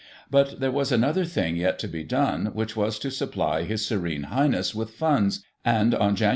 But there was another thing yet to be done, which was to supply His Serene Highness with Funds, and on Jan.